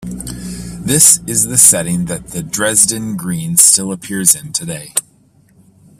This is the setting that the Dresden Green still appears in today.